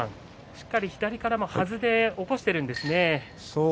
しっかり左からもはずで起こしているんですね。